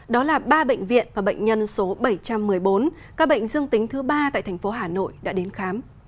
đó là ba bệnh viện và bệnh nhân số bảy trăm một mươi bốn các bệnh dương tính thứ ba tại thành phố hà nội đã đến khám